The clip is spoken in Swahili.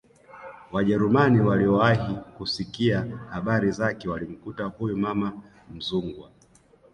Wajerumani waliowahi kusikia habari zake walimkuta huyu mama Mzungwa